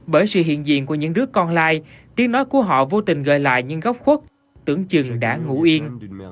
bởi sự hiện diện của những đứa con li tiếng nói của họ vô tình gợi lại những góc khuất tưởng chừng đã ngủ yên